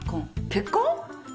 結婚！？